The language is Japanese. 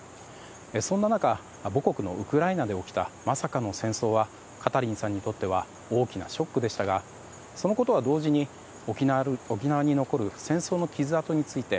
そんな中母国のウクライナで起きたまさかの戦争はカタリンさんにとっては大きなショックでしたがそのことは同時に沖縄に残る戦争の傷跡について